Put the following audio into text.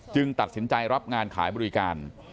ตัดสินใจรับงานขายบริการ